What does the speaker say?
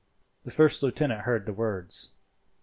The first lieutenant heard the words.